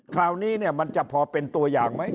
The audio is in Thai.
คราวนี้มันจะพอเป็นตัวอย่างไหม